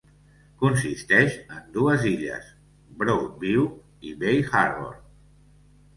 Consisteix en dues illes: Broadview i Bay Harbor.